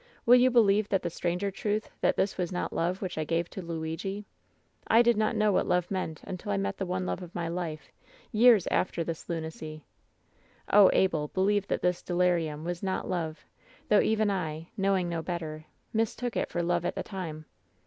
Will you believe the stranger truth that this was not love which I gave to Luigi ? I did not know what love meant until I met the one love of my life — years after this lunacy. Oh, Abel, believe that this delirium was not love, though even I, knowing no better, mistook it for love at the time.